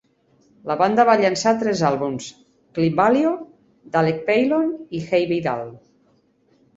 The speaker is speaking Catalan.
La banda va llançar tres àlbums: "Clymhalio", "Dalec Peilon" i "Hei Vidal!".